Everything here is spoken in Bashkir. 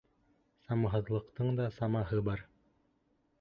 Самаһыҙлыҡтың да самаһы бар.